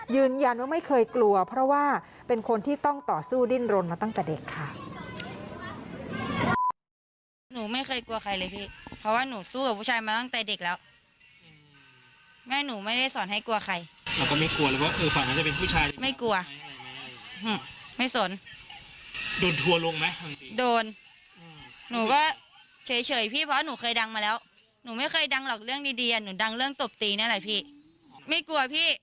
ยืนยันว่าไม่เคยกลัวเพราะว่าเป็นคนที่ต้องต่อสู้ดิ้นรนมาตั้งแต่เด็กค่ะ